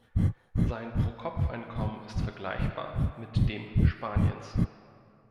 Sein Pro-Kopf-Einkommen ist vergleichbar mit dem Spaniens.